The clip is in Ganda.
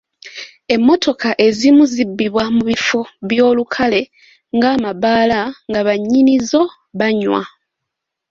Emmotoka ezimu zibbibwa mu bifo by'olukale nga amabaala nga bannyinizo banywa.